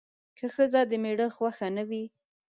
که ښځه د میړه خوښه نه وي